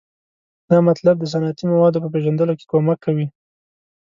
دا مطالب د صنعتي موادو په پیژندلو کې کومک کوي.